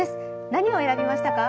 何を選びましたか？